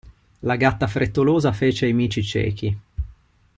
La gatta frettolosa fece i mici ciechi.